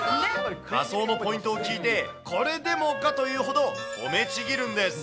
仮装のポイントを聞いて、これでもかというほど褒めちぎるんです。